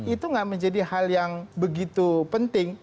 itu nggak menjadi hal yang begitu penting